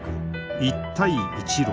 一帯一路。